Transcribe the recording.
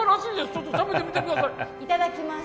ちょっと食べてみてくださいいただきます